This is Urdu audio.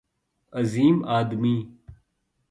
عظیم آدمی